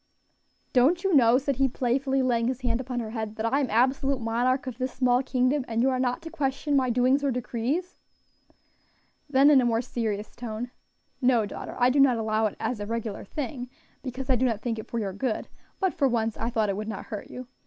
"Don't you know," said he playfully, laying his hand upon her head, "that I am absolute monarch of this small kingdom, and you are not to question my doings or decrees?" Then in a more serious tone, "No, daughter, I do not allow it as a regular thing, because I do not think it for your good; but for once, I thought it would not hurt you.